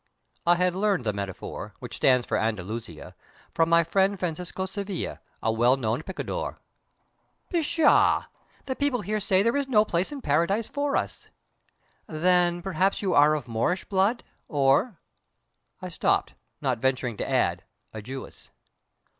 I had learned the metaphor, which stands for Andalusia, from my friend Francisco Sevilla, a well known picador. "Pshaw! The people here say there is no place in Paradise for us!" "Then perhaps you are of Moorish blood or " I stopped, not venturing to add "a Jewess."